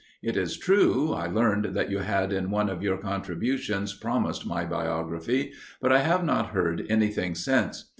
It is true, I learned that you had in one of your contributions promised my biography, but I have not heard anything since.